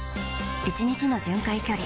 １日の巡回距離